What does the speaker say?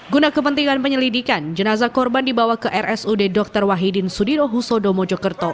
guna kepentingan penyelidikan jenazah korban dibawa ke rsud dr wahidin sudirohusodo mojokerto